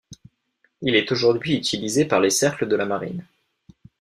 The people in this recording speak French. Il est aujourd'hui utilisé par les cercles de la Marine.